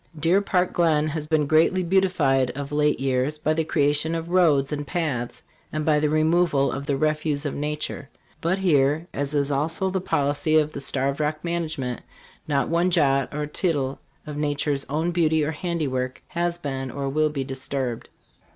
Deer Park Glen has been greatly beautified of late years by the creation of roads and paths and by the removal of the refuse of nature ; but here, as is also the 68 STARVED ROCK : A HISTORICAL SKETCH. policy of the Starved Rock management, not one jot or tittle of nature's own beauty or handiwork has been or will be disturbed.